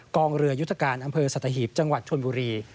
กองเรือยุทธการอำเภอสัตหีบจังหวัดชนบุรี